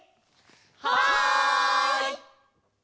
はい！